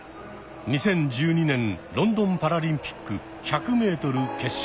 ２０１２年ロンドンパラリンピック１００ｍ決勝。